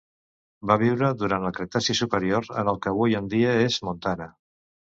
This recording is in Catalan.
Va viure durant el Cretaci superior en el que avui en dia és Montana.